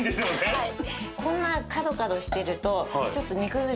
はい。